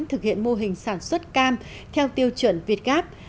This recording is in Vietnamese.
thực hiện mô hình sản xuất cam theo tiêu chuẩn việt gáp